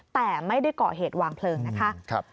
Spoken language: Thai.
แต่ไม่ได้เกาะเหตุวางเพลิงนะคะ